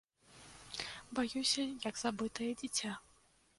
Баюся, як забытае дзіця.